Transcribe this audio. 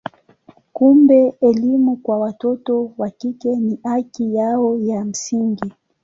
Kumbe elimu kwa watoto wa kike ni haki yao ya msingi.